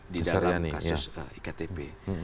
di dalam kasus iktp